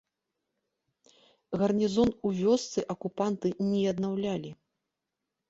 Гарнізон у вёсцы акупанты не аднаўлялі.